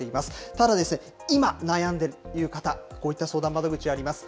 ただですね、今、悩んでいるという方、こういった相談窓口あります。